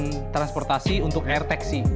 dan perubahan transportasi untuk air taxi